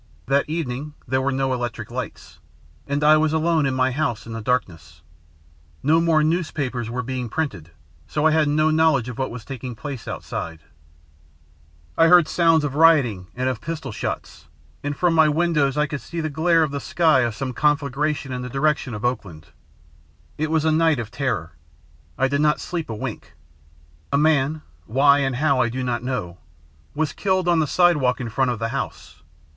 That evening there were no electric lights, and I was alone in my house in the darkness. No more newspapers were being printed, so I had no knowledge of what was taking place outside. [Illustration: I heard sounds of rioting and of pistol shots 098] "I heard sounds of rioting and of pistol shots, and from my windows I could see the glare of the sky of some conflagration in the direction of Oakland. It was a night of terror. I did not sleep a wink. A man why and how I do not know was killed on the sidewalk in front of the house.